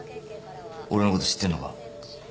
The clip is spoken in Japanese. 俺のこと知ってんのか？